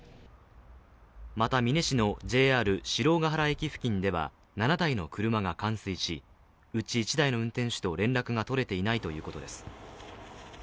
また、美祢市のＪＲ四郎ケ原駅付近では７台の車が冠水し、うち１台の運転手と連絡が取れていないということです。